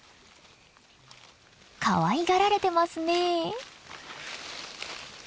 かわいがられてますねえ。